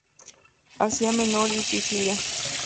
Asia Menor y Sicilia.